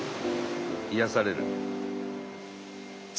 癒やされる。